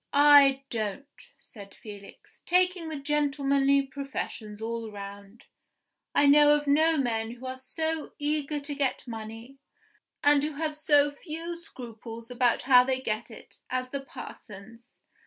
"I don't," said Felix. "Taking the gentlemanly professions all round, I know of no men who are so eager to get money, and who have so few scruples about how they get it, as the parsons.